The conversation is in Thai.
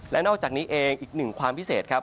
และนอกจากนี้เองอีกหนึ่งความพิเศษครับ